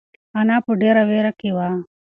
انا په ډېره وېره کې وه.